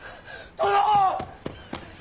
殿！